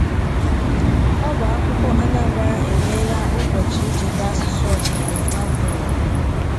Ọba Akwụkwọ Anambra Emeela Ụbọchị Ncheta Asụsụ Ọdịnala na Mba Ụwa